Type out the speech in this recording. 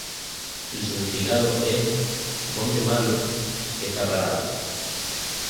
Su significado es:'Monte malo que está parado'.